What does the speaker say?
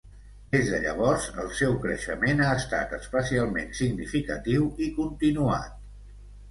Des de llavors, el seu creixement ha estat especialment significatiu i continuat.